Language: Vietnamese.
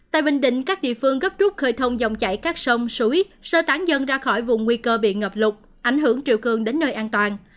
tại bình định các địa phương gấp rút khơi thông dòng chảy các sông suối sơ tán dân ra khỏi vùng nguy cơ bị ngập lụt ảnh hưởng triều cường đến nơi an toàn